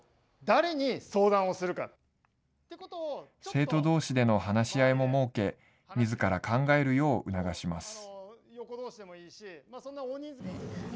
生徒どうしでの話し合いも設けみずから考えるよう促します。